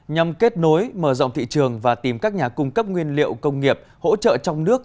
nhằm kết nối mở rộng thị trường và tìm các nhà cung cấp nguyên liệu công nghiệp hỗ trợ trong nước